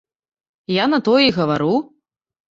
Я на тое і гавару.